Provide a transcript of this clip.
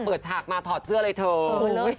ฉากมาถอดเสื้อเลยเถอะ